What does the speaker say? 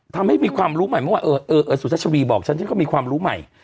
ทำให้มีความรู้ใหม่มากว่าเออเออเออสุธชวีบอกฉันฉันก็มีความรู้ใหม่